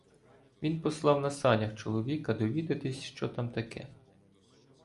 Він послав на санях чоловіка довідатися, що там таке.